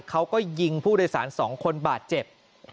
เขาก็ยิงผู้โดยสาร๒คนบาดเจ็บ